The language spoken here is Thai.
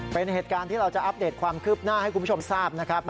เป็นเหตุการณ์ที่เราจะอัปเดตความคืบหน้าให้คุณผู้ชมทราบนะครับ